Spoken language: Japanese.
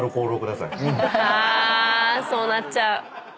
そうなっちゃう。